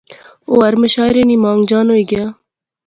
او ہر مشاعرے نی مانگ جان ہوئی گیا